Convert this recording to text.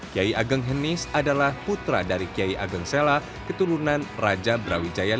kiai ageng henis adalah putra dari kiai ageng sela keturunan raja brawijaya